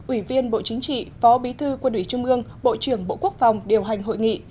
ủy viên bộ chính trị phó bí thư quân ủy trung ương bộ trưởng bộ quốc phòng điều hành hội nghị